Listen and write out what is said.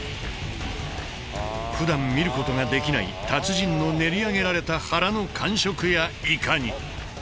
ふだん見ることができない達人の練り上げられた肚の感触やいかに。